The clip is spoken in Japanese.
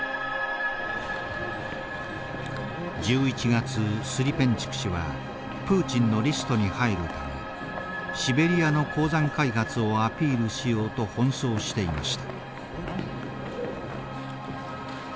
１１月スリペンチュク氏はプーチンのリストに入るためシベリアの鉱山開発をアピールしようと奔走していました。